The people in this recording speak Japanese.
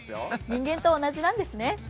人間と同じなんですね。